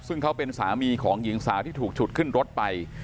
ซึ่งเขาเป็นสามีของหญิงสาวที่ถูกฉุดขึ้นรถไป